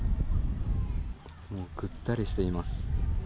ぐったりしています。